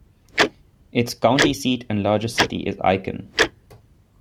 Its county seat and largest city is Aiken.